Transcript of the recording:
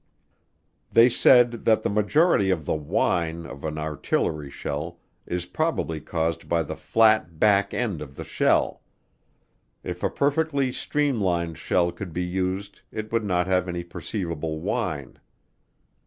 They said that the majority of the whine of an artillery shell is probably caused by the flat back end of the shell. If a perfectly streamlined shell could be used it would not have any perceivable whine.